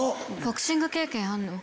ボクシング経験あるの？